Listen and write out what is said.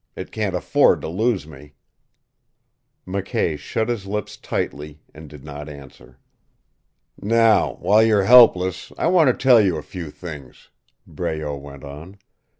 It can't afford to lose me." McKay shut his lips tightly, and did not answer. "Now, while you're helpless, I want to tell you a few things," Breault went on.